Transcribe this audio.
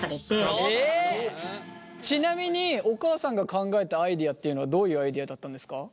ちなみにお母さんが考えたアイデアっていうのはどういうアイデアだったんですか？